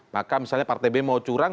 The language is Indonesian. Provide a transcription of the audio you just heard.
maka misalnya partai b mau curang